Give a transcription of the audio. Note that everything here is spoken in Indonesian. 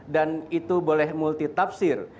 dan itu boleh multi tafsir